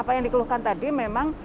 apa yang dikeluhkan tadi memang